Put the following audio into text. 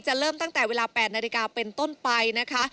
เริ่มตั้งแต่เวลา๘นาฬิกาเป็นต้นไปนะคะ